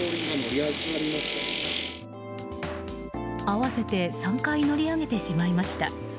合わせて３回乗り上げてしまいました。